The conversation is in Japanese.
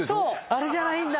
あれじゃないんだ。